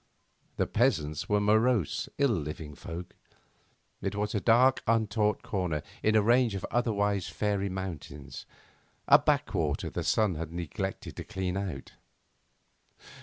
The peasants were morose, ill living folk. It was a dark untaught corner in a range of otherwise fairy mountains, a backwater the sun had neglected to clean out.